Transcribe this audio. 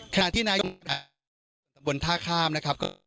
ขณะที่นายที่อยู่ในตำบลท่าข้ามนะครับ